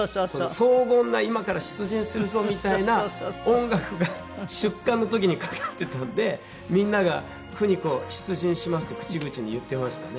荘厳な今から出陣するぞみたいな音楽が出棺の時にかかってたんでみんなが「久仁子出陣します」って口々に言ってましたね。